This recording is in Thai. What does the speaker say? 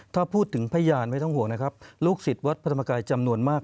ถ้าพูดถึงพยานไม่ต้องห่วงนะครับลูกศิษย์วัดพระธรรมกายจำนวนมาก